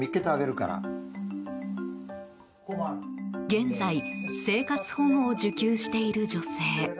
現在、生活保護を受給している女性。